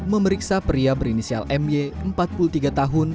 memeriksa pria berinisial m y empat puluh tiga tahun